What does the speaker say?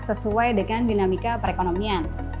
sesuai dengan dinamika perekonomian